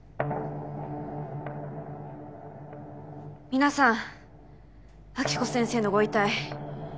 皆さん暁子先生のご遺体